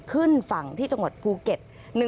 ขึ้นฝั่งที่จังหวัดภูเก็ต